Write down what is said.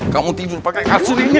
kamu tidur pakai kasur ini